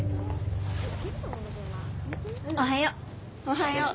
おはよう。